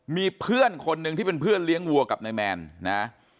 มีเพื่อนคนหนึ่งที่เป็นเพื่อนเลี้ยงวัวกับนายแมนนะ